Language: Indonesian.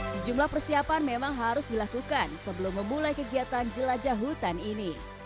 sejumlah persiapan memang harus dilakukan sebelum memulai kegiatan jelajah hutan ini